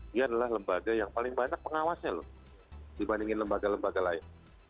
dia adalah lembaga yang paling banyak pengawasnya loh dibandingin lembaga lembaga lain